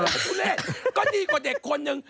ผู้เล่นก็ดีกว่าเด็กคนนึง